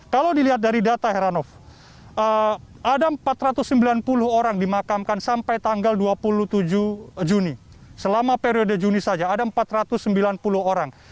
kalau dilihat dari data heranov ada empat ratus sembilan puluh orang dimakamkan sampai tanggal dua puluh tujuh juni selama periode juni saja ada empat ratus sembilan puluh orang